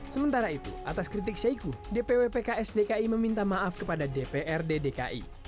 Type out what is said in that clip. sementara itu atas kritik syahiku dpw pks dki meminta maaf kepada dprd dki